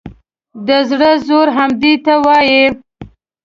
د زړه زور همدې ته وایي.